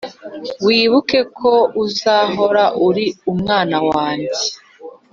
wibuke ko uzahora uri umwana wanjye